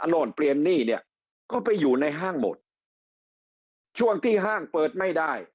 โน่นเปลี่ยนหนี้เนี่ยก็ไปอยู่ในห้างหมดช่วงที่ห้างเปิดไม่ได้